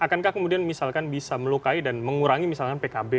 akankah kemudian misalkan bisa melukai dan mengurangi misalkan pkb